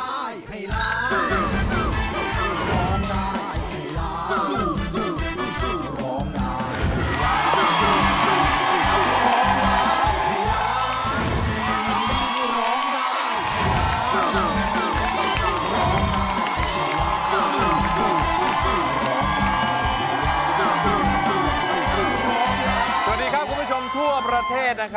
สวัสดีครับคุณผู้ชมทั่วประเทศนะครับ